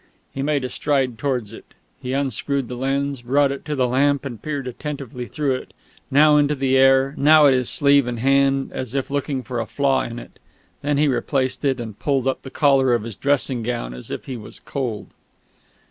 He made a stride towards it. He unscrewed the lens, brought it to the lamp, and peered attentively through it, now into the air, now at his sleeve and hand, as if looking for a flaw in it. Then he replaced it, and pulled up the collar of his dressing gown as if he was cold.